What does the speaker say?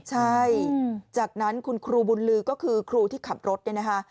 ใช่จากนั้นคุณครูบุญลือก็คือครูที่ขับรถเนี่ยนะคะ